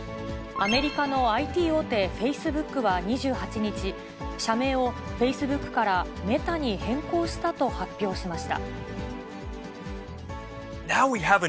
アメリカのＩＴ大手、フェイスブックは２８日、社名をフェイスブックから、Ｍｅｔａに変更したと発表しました。